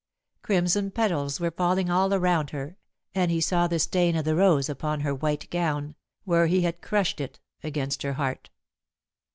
Crimson petals were falling all around her, and he saw the stain of the rose upon her white gown, where he had crushed it against her heart.